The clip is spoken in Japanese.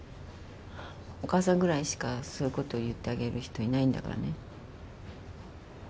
お母さんぐらいしかそういうこと言ってあげる人いないんだからね。